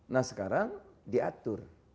nah sekarang diatur